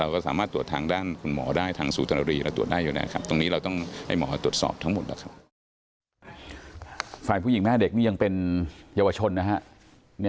ฝ่ายผู้หญิงแม่เด็กนี่ยังเป็นเยาวชนนะฮะ